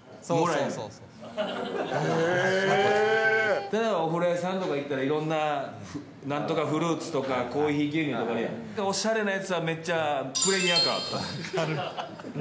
へー。お風呂屋さんとか行ったら、いろんななんとかフルーツとかコーヒー牛乳とかで、おしゃれなやつはめっちゃプレミア感あった。